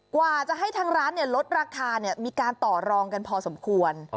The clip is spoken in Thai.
กว่าจะให้ทางร้านลดราคามีการต่อรองกันพอสมควร